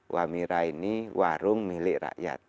wamira ini warung milik rakyat